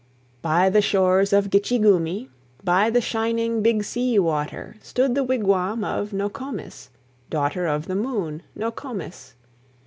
(1807 82.) By the shores of Gitche Gumee, By the shining Big Sea Water, Stood the wigwam of Nokomis, Daughter of the Moon, Nokomis.